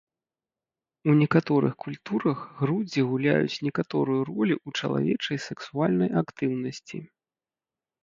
У некаторых культурах грудзі гуляюць некаторую ролю ў чалавечай сексуальнай актыўнасці.